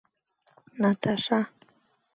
Наташа...